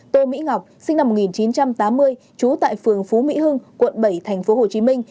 tô mỹ ngọc sinh năm một nghìn chín trăm tám mươi trú tại phường phú mỹ hưng quận bảy tp hồ chí minh